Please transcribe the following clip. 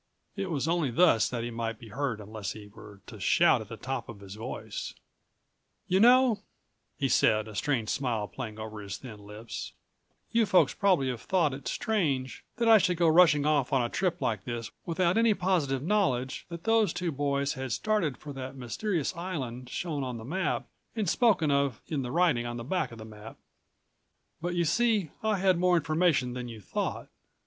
It was only thus that he might be heard unless he were to shout at the top of his voice. "You know," he said, a strange smile playing over his thin lips, "you folks probably have thought it strange that I should go rushing off on a trip like this without any positive knowledge that those two boys had started for that mysterious island shown on the map and spoken of in the writing on the back of the map, but you see I had more information than you thought.